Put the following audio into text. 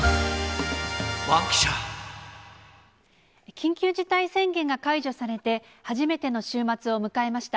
緊急事態宣言が解除されて、初めての週末を迎えました。